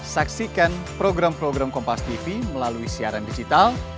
saksikan program program kompas tv melalui siaran digital